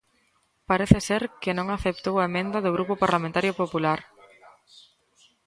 Parece ser que non aceptou a emenda do Grupo Parlamentario Popular.